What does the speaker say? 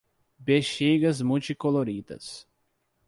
Bexigas multicoloridas